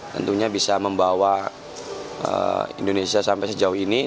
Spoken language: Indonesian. tentunya bisa membawa indonesia sampai sejauh ini